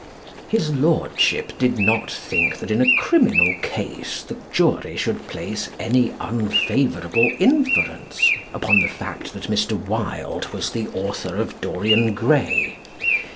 His lordship did not think that in a criminal case the jury should place any unfavourable inference upon the fact that Mr. Wilde was the author of "Dorian Gray."